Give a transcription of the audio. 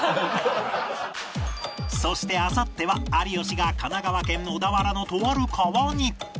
そしてあさっては有吉が神奈川県小田原のとある川に